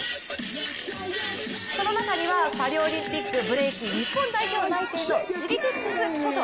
その中にはパリオリンピックブレイキン、日本代表のＳｈｉｇｅｋｉｘこと